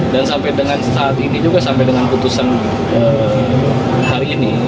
dan sampai dengan saat ini juga sampai dengan putusan hari ini